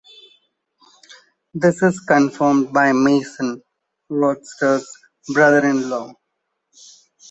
This is confirmed by Mason, Rochester's brother-in-law.